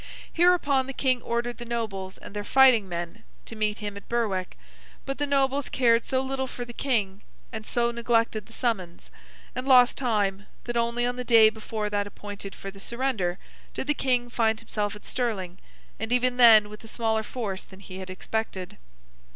Hereupon, the King ordered the nobles and their fighting men to meet him at Berwick; but, the nobles cared so little for the King, and so neglected the summons, and lost time, that only on the day before that appointed for the surrender, did the King find himself at Stirling, and even then with a smaller force than he had expected.